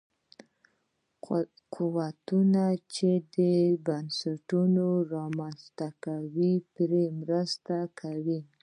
قوتونه چې بنسټونه رامنځته کوي پرې مرسته کوي.